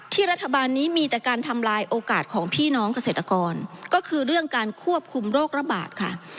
รัฐบาลนี้มีแต่การทำลายโอกาสของพี่น้องเกษตรกรก็คือเรื่องการควบคุมโรคระบาดค่ะ